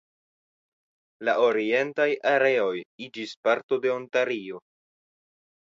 La orientaj areoj iĝis parto de Ontario.